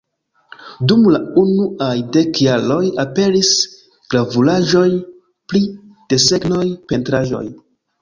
Dum la unuaj dek jaroj, aperis gravuraĵoj pri desegnoj, pentraĵoj.